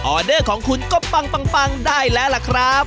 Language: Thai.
เดอร์ของคุณก็ปังได้แล้วล่ะครับ